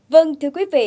vâng thưa quý vị